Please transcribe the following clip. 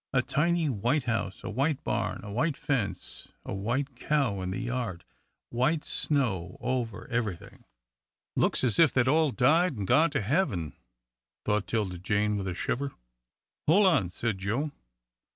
A tiny white house, a white barn, a white fence, a white cow in the yard, white snow over everything. "Looks as if they'd all died an' gone to heaven," thought 'Tilda Jane, with a shiver. "Hole on," said Joe.